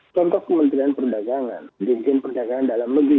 contoh pemerintahan perdagangan jenis perdagangan dalam negeri